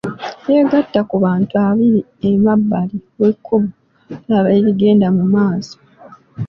Yeegatta ku bantu abaali emabbali w’ekkubo nga balaba ebigenda mu maaso.